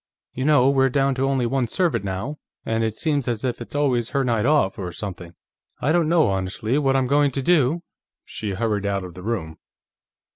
You know, we're down to only one servant now, and it seems as if it's always her night off, or something. I don't know, honestly, what I'm going to do...." She hurried out of the room.